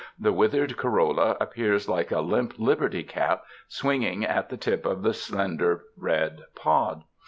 the withered corolla appears like a limp liberty cap swinging at the tip of the slender red pod.